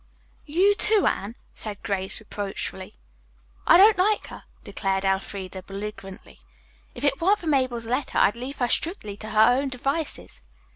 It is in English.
"You, too, Anne?" said Grace reproachfully. "I don't like her," declared Elfreda belligerently. "If it weren't for Mabel's letter I'd leave her strictly to her own devices."